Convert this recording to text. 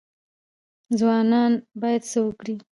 ځوانان باید څه وکړي؟